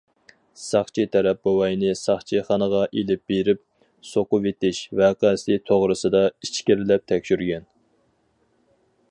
ساقچى تەرەپ بوۋاينى ساقچىخانىغا ئېلىپ بېرىپ،« سوقۇۋېتىش» ۋەقەسى توغرىسىدا ئىچكىرىلەپ تەكشۈرگەن.